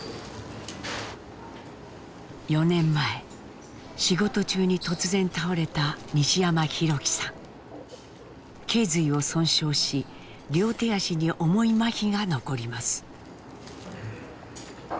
４年前仕事中に突然倒れたけい随を損傷し両手足に重いまひが残ります。